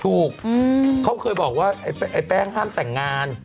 ถูกเขาเคยบอกว่าไอ้แป้งห้ามแต่งงาน